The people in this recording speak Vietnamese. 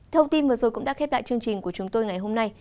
thông tin vừa rồi cũng đã khép lại chương trình của chúng tôi ngày hôm nay